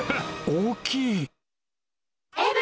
大きい！